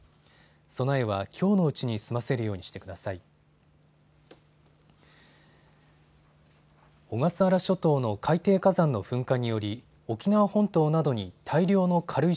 備えはきょうのうちに済ませるようにしてください。